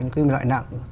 những loại nặng